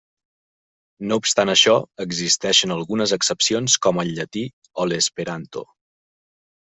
No obstant això, existeixen algunes excepcions com el llatí o l'esperanto.